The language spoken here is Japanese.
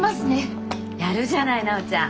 やるじゃない奈緒ちゃん。